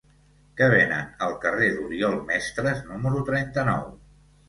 Què venen al carrer d'Oriol Mestres número trenta-nou?